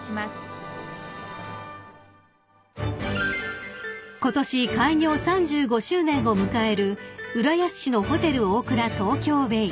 損保ジャパン［ことし開業３５周年を迎える浦安市のホテルオークラ東京ベイ］